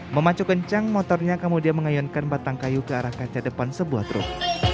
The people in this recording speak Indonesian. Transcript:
memacu kencang motornya kemudian mengayonkan batang kayu ke arah kaca depan sebuah truk